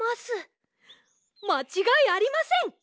まちがいありません！